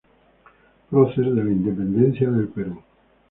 Prócer de la independencia del Perú.